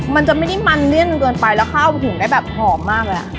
มันจะไม่ได้มันเลี่ยนเกินไปแล้วข้าวหุงได้แบบหอมมากเลยอ่ะ